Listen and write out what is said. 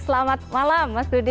selamat malam mas dudi